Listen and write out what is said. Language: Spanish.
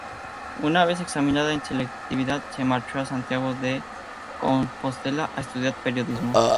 Una vez examinada en selectividad, se marchó a Santiago de Compostela a estudiar Periodismo.